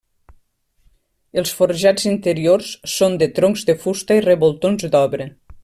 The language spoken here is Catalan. Els forjats interiors són de troncs de fusta i revoltons d'obra.